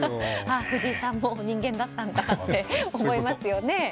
藤井さんも人間だったんだって思いますよね。